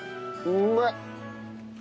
うまい！